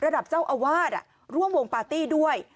ระดับเจ้าอาวาสร่วมวงปาร์ตี้ด้วย